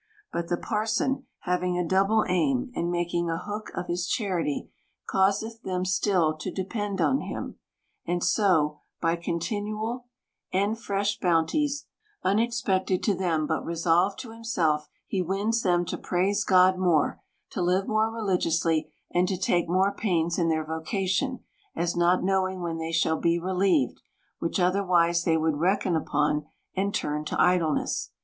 But the parson, having a double aim, and making a hook of his charity, causeth them still to depend on him : and so, by continual and fresh bounties, unexpected to them but resolved to himself, he wins them to praise God more, to live more religiously, and to take more pains in their vocation, as not knowing when they shall be relieved ; which otherwise they would reckon upon, and turn to idleness.